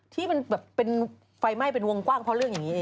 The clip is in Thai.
ที่มันแบบเป็นไฟไหม้เป็นวงกว้างเพราะเรื่องอย่างนี้เอง